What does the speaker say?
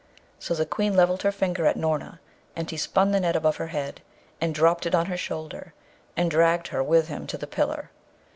So the Queen levelled her finger at Noorna, and he spun the net above her head, and dropped it on her shoulder, and dragged her with him to the pillar.